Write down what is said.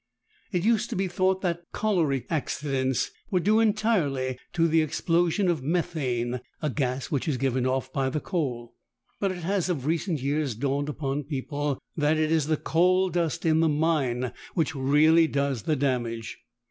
It used to be thought that colliery accidents were due entirely to the explosion of methane, a gas which is given off by the coal, but it has of recent years dawned upon people that it is the coal dust in the mine which really does the damage.